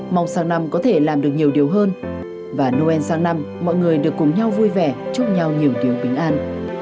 mong sáng năm có thể làm được nhiều điều hơn và noel sáng năm mọi người được cùng nhau vui vẻ chúc nhau nhiều điều bình an